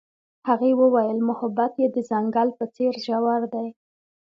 هغې وویل محبت یې د ځنګل په څېر ژور دی.